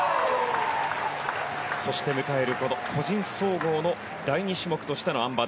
そして、迎える個人総合の第２種目としてのあん馬。